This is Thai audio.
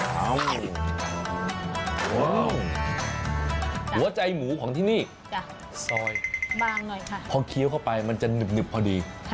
หัวใจหมูของที่นี่ซอยพอเคี้ยวเข้าไปมันจะหนึบพอดี